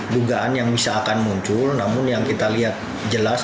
dugaan yang bisa akan muncul namun yang kita lihat jelas